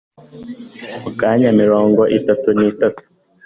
Mu myaka mirongo itatu nitanu